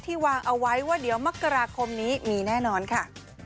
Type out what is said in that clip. วางเอาไว้ว่าเดี๋ยวมกราคมนี้มีแน่นอนค่ะ